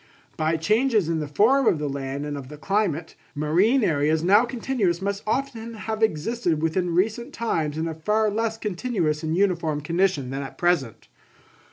By changes in the form of the land and of climate, marine areas now continuous must often have existed within recent times in a far less continuous and uniform condition than at present.